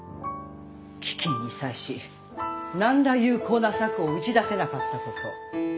飢きんに際し何ら有効な策を打ち出せなかったこと。